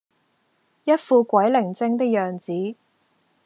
一副鬼靈精的樣子